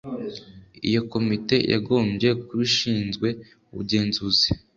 iyo komite yagombye kuba ishinzwe ubugenzuzi